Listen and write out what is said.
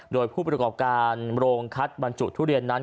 โดยผู้ประกอบการโรงคัดบรรจุทุเรียนนั้น